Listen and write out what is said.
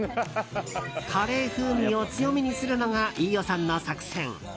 カレー風味を強めにするのが飯尾さんの作戦。